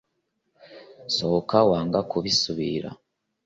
sohoka wanga kubisubira